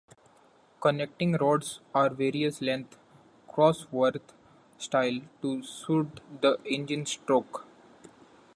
Connecting rods are various length, Cosworth style, to suit the engine stroke.